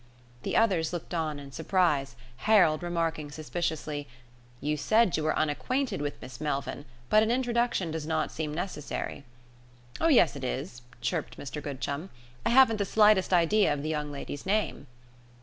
The others looked on in surprise, Harold remarking suspiciously, "You said you were unacquainted with Miss Melvyn, but an introduction does not seem necessary." "Oh, yes it is," chirped Mr Goodchum. "I haven't the slightest idea of the young lady's name."